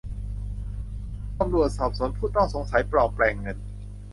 ตำรวจสอบสวนผู้ต้องสงสัยปลอมแปลงเงิน